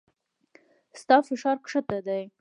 ستا فشار کښته دی